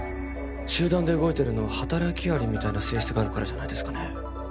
集団で動いてるのは働き蟻みたいな性質があるからじゃないですかね